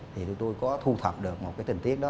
thì tụi tôi có thu thập được một cái tình tiết đó